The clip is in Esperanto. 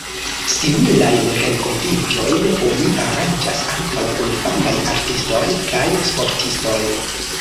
Similajn renkontiĝojn oni aranĝas ankaŭ kun famaj artistoj kaj sportistoj.